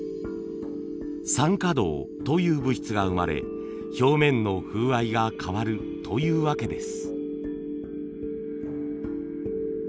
酸化銅という物質が生まれ表面の風合いが変わるというわけです。